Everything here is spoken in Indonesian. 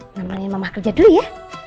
namanya mama kerja dulu ya